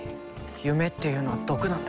夢っていうのは毒なんだ。